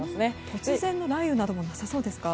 突然の雷雨などもなさそうですか？